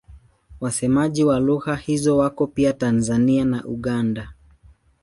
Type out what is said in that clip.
Wasemaji wa lugha hizo wako pia Tanzania na Uganda.